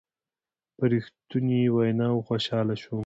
په رښتنوني ویناوو خوشحاله شوم.